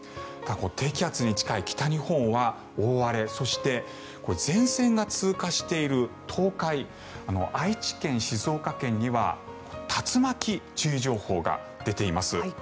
低気圧に近い北日本は大荒れそして、前線が通過している東海愛知県、静岡県には竜巻注意情報が出ています。